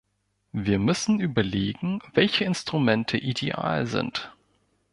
Wir müssen überlegen, welche Instrumente ideal sind.